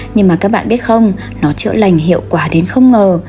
nhưng mà các bạn biết không nó chữa lành hiệu quả đến không ngờ